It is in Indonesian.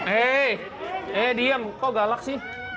eh diam kok galak sih